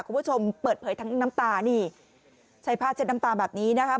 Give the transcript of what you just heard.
คุณผู้ชมเปิดเผยทั้งน้ำตานี่ใช้ผ้าเช็ดน้ำตาแบบนี้นะคะ